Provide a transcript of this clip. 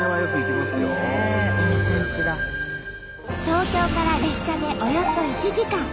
東京から列車でおよそ１時間。